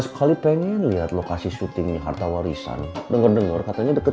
sekali pengen lihat lokasi syuting harta warisan denger dengar katanya deket